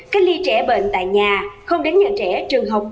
cách ly trẻ bệnh tại nhà không đến nhà trẻ trường học